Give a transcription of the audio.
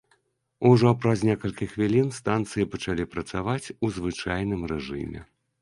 Ужо праз некалькі хвілін станцыі пачалі працаваць у звычайным рэжыме.